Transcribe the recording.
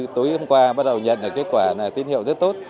tối hôm qua bắt đầu nhận là kết quả là tiến hiệu rất tốt